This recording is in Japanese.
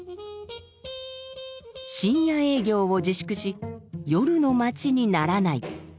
「深夜営業を自粛し『夜の街』にならない」。